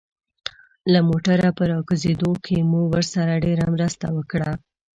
له موټره په راکوزېدو کې مو ورسره ډېره مرسته وکړه.